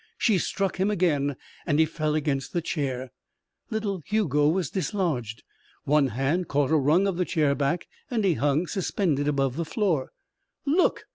She struck him again and he fell against the chair. Little Hugo was dislodged. One hand caught a rung of the chair back and he hung suspended above the floor. "Look!"